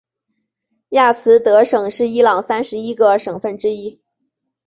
亚兹德省是伊朗三十一个省份之一。